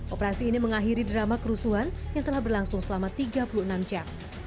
operasi ini mengakhiri drama kerusuhan yang telah berlangsung selama tiga puluh enam jam